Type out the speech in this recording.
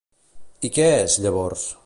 I què és, llavors?